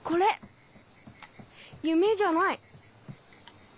夢じゃない！